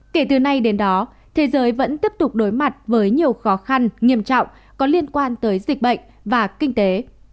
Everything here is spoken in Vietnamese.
kể từ nay đến đó thế giới vẫn tiếp tục đối mặt với nhiều khó khăn nghiêm trọng có liên quan tới dịch bệnh và kinh tế